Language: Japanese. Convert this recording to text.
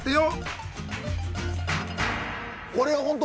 これ本当